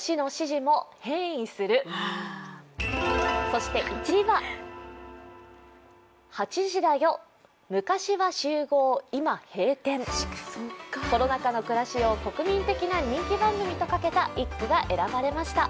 そして１位はコロナ禍の暮らしを国民的な人気番組とかけた一句が選ばれました。